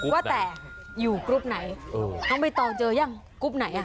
ว่าแต่อยู่กรุ๊ปไหนต้องไปต่อเจอยังอันไลค์กรุ๊ปไหน